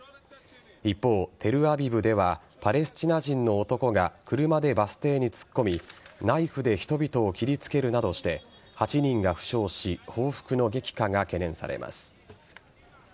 一方、テルアビブではパレスチナ人の男が車でバス停に突っ込みナイフで人々を切りつけるなどして８人が負傷し報復の激化が懸念されます。